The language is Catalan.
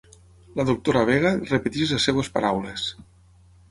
La doctora Vega repeteix les seves paraules.